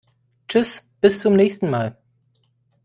Tschüß, bis zum nächsen mal!